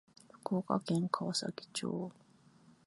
福岡県川崎町